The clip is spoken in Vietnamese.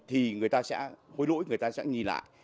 thì người ta sẽ hối lỗi người ta sẽ nhìn lại